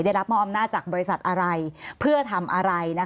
ได้รับมอบอำนาจจากบริษัทอะไรเพื่อทำอะไร